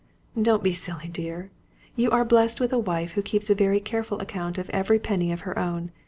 "Don't be silly, dear! You are blessed with a wife who keeps a careful account of every penny of her own.